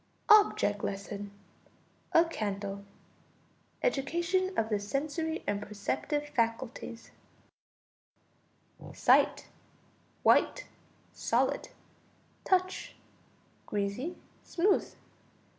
] OBJECT LESSON A Candle: Education of the sensory and perceptive faculties. Sight. White, solid. Touch. Greasy, smooth.